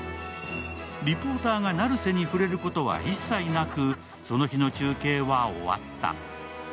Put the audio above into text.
リポーターが成瀬に触れることは一切なく、その日の中継は終わった。